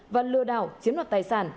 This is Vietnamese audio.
và lừa đảo chiếm đoạt tài sản